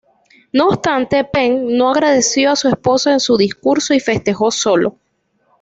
No obstante, Penn no agradeció a su esposa en su discurso y festejó solo.